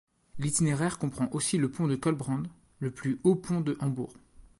L'itinéraire comprend aussi le pont de Köhlbrand, le plus haut pont de Hambourg.